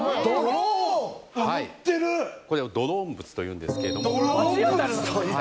これをドローン仏というんですけれども。